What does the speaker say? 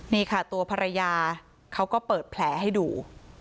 นี่ค่ะตัวภรรยาเขาก็เปิดแผลให้ดู